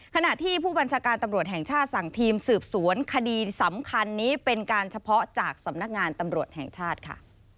ขณะที่ผู้บัญชาการตำรวจแห่งชาติสั่งทีมสืบสวนคดีสำคัญนี้เป็นการเฉพาะจากสำนักงานตำรวจแห่งชาติค่ะ